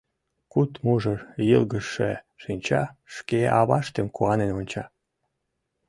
Куд мужыр йылгыжше шинча шке аваштым куанен онча.